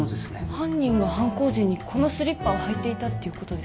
犯人が犯行時にこのスリッパを履いていたっていうこと？